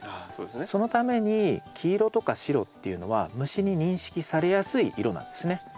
あそうですね。そのために黄色とか白っていうのは虫に認識されやすい色なんですね。